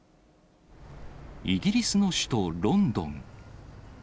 イギリスの首都ロンドン。